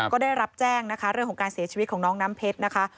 ก็ได้รับแจ้งนะคะเรื่องของการเสียชีวิตของน้องน้ำเพชรนะคะ